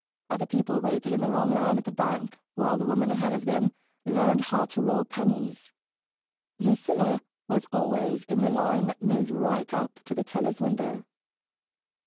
Other people waited in the wrong line at the bank while the woman ahead of them learned how to roll pennies Lucilla was always in the line that moved right up to the teller's window.